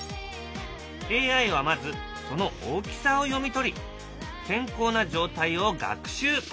ＡＩはまずその大きさを読み取り健康な状態を学習。